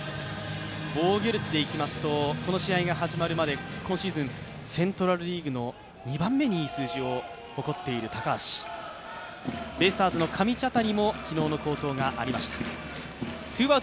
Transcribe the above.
防御率でいきますとこの試合が始まる前、今シーズンセントラル・リーグの２番目にいい数字を誇っている高橋ベースボールの上茶谷も昨日の好投がありました。